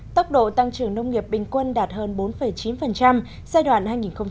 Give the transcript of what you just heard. tốc độ tăng trưởng nông nghiệp bình quân đạt hơn bốn chín giai đoạn hai nghìn một mươi ba hai nghìn một mươi bảy